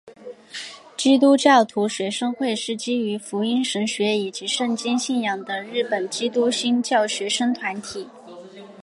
基督教徒学生会是基于福音神学以及圣经信仰的日本基督新教学生团体。